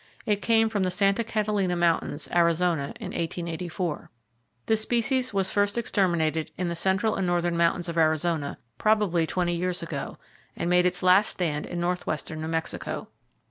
It came from the Santa Catalina Mountains, Arizona, in 1884. The species was first exterminated in the central and northern mountains of Arizona, probably twenty years ago, and made its last stand in northwestern New Mexico.